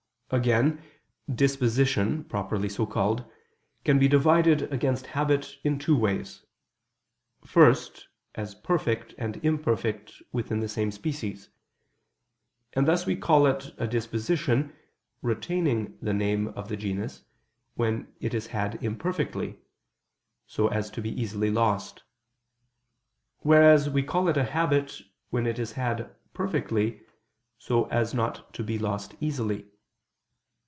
Again, disposition, properly so called, can be divided against habit in two ways: first, as perfect and imperfect within the same species; and thus we call it a disposition, retaining the name of the genus, when it is had imperfectly, so as to be easily lost: whereas we call it a habit, when it is had perfectly, so as not to be lost easily.